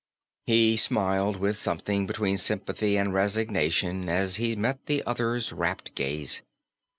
He smiled, with something between sympathy and resignation as he met the other's rapt gaze.